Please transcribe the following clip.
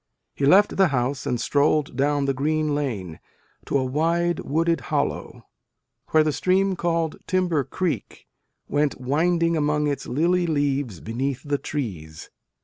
He left the house and strolled down the green lane, to a wide wooded hollow, where the stream called Timber Greek went winding among its lily leaves beneath the trees.